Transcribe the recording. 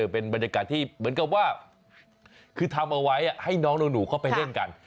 เป็นบรรยากาศที่เหมือนกับว่าคือทำเอาไว้ให้น้องหนูเข้าไปเล่นกัน